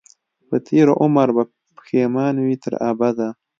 په تېر عمر به پښېمان وي تر ابده